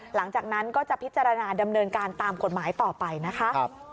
หลังจากนั้นก็จะพิจารณาดำเนินการตามกฎหมายต่อไปนะคะ